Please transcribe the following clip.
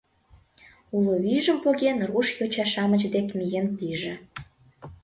Уло вийжым поген руш йоча-шамыч дек миен пиже.